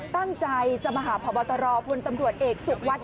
ตั้งใจจะมาหาพบตรพลตำรวจเอกสุขวัด